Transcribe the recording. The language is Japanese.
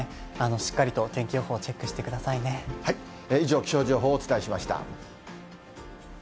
しっかりと天気予報チェックして以上、気象情報をお伝えしました。